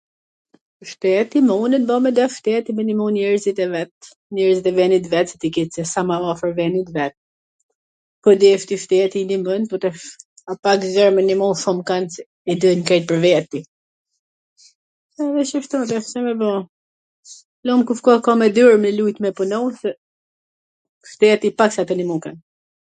Shteti munet, bo me dash shteti me nimu njerzit e vet, njerzit e venit vet qw t i ket sa ma afwr venit vet, po deshti shteti i nimon, po tash a pak zor me nimu shum kand qw jetojn keq pwr veti, edhe shishto, Ca me ba... lum kush ka kam e dur me lujt me punu, se shteti pak a tu nimu kan.